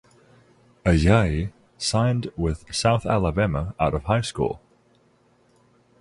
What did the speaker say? Ajayi signed with South Alabama out of high school.